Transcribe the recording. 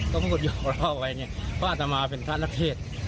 ก็พูดหยอกเอาไว้เพราะอาจจะมาเป็นพระนักเทศ